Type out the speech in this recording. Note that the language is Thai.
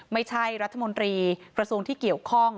ไม่ใช่รัฐมนตรีกระทรวงที่เกี่ยวข้อง